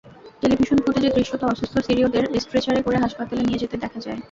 Television ফুটেজে দৃশ্যত অসুস্থ সিরীয়দের স্ট্রেচারে করে হাসপাতালে নিয়ে যেতে দেখা যায়।